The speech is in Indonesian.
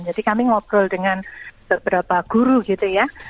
jadi kami ngobrol dengan beberapa guru gitu ya